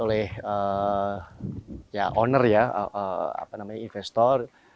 dimanfaatkan oleh owner ya investor